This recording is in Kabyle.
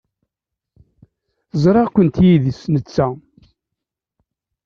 Ẓriɣ-kent yid-s netta.